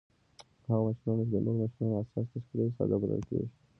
هغه ماشینونه چې د نورو ماشینونو اساس تشکیلوي ساده بلل کیږي.